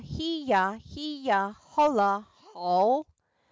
Heeya! Heeya! Hullah! Haul!